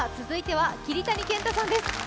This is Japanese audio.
続いては桐谷健太さんです